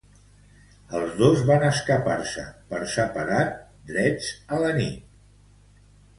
Els dos van escapar-se per separat drets a la nit.